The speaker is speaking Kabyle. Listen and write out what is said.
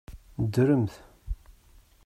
Ddremt!